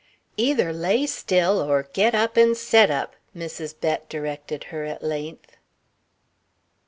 "Either lay still or get up and set up," Mrs. Bett directed her at length.